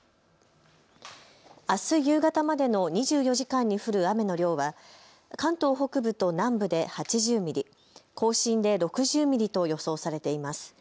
あす夕方までの２４時間に降る雨の量は関東北部と南部で８０ミリ、甲信で６０ミリと予想されています。